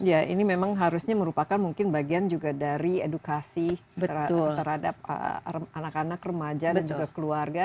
ya ini memang harusnya merupakan mungkin bagian juga dari edukasi terhadap anak anak remaja dan juga keluarga